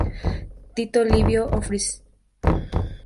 Tito Livio ofrece una versión alternativa.